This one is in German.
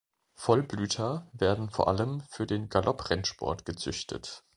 Vollblüter werden vor allem für den Galopprennsport gezüchtet.